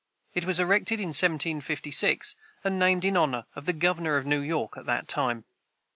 It was erected in 1756, and named in honor of the governor of New York at that time.